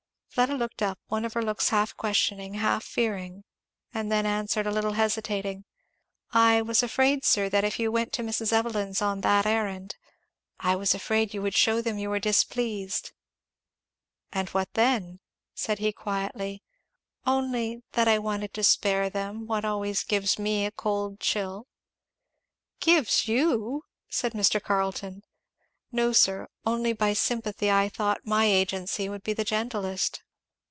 Fleda looked up, one of her looks half questioning, half fearing, and then answered, a little hesitating, "I was afraid, sir, that if you went to Mrs. Evelyn's on that errand I was afraid you would shew them you were displeased." "And what then?" said he quietly. "Only that I wanted to spare them what always gives me a cold chill." "Gives you!" said Mr. Carleton. "No sir only by sympathy I thought my agency would be the gentlest."